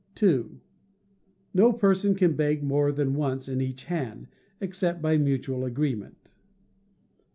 ii. No person can beg more than once in each hand, except by mutual agreement.